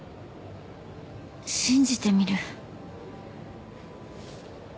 信じてみる。